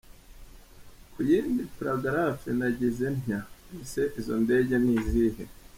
Ku iyindi paragraphe nagize ntya : Ese izo ndege ni izihe ?